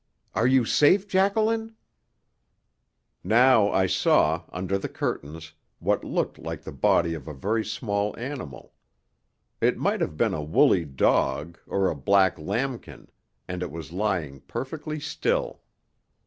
Are you safe, Jacqueline?" Now I saw, under the curtains, what looked like the body of a very small animal. It might have been a woolly dog, or a black lambkin, and it was lying perfectly still.